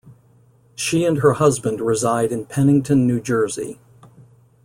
She and her husband reside in Pennington, New Jersey.